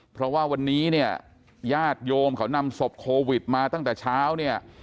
เพราะว่าวันนี้เนี่ยญาติโยมเขานำศพโควิดมาตั้งแต่เช้าเนี่ย